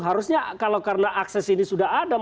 harusnya kalau karena akses ini sudah ada